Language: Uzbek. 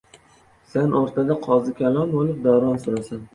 Sen o‘rtada qozikalon bo‘lib davron surasan.